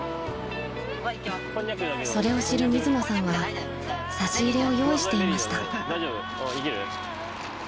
［それを知る水野さんは差し入れを用意していました］